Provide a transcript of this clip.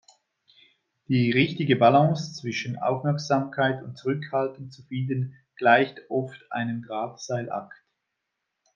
Die richtige Balance zwischen Aufmerksamkeit und Zurückhaltung zu finden, gleicht oft einem Drahtseilakt.